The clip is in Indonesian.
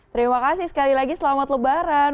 terima kasih sekali lagi selamat lebaran